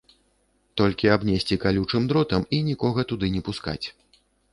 Толькі абнесці калючым дротам, і нікога туды не пускаць.